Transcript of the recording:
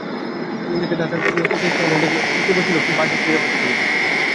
অন্যদিকে, ঢাকার venue residential model কলেজে শুক্রবার ছিল বার্ষিক ক্রীড়া প্রতিযোগিতা।